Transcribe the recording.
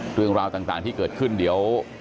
เรื่องราวต่างที่เกิดขึ้นเดี๋ยว